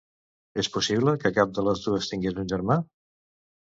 És possible que cap de les dues tingués un germà?